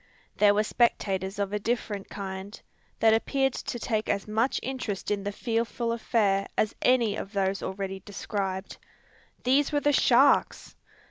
There were spectators of a different kind, that appeared to take as much interest in the fearful affair as any of those already described. These were the sharks!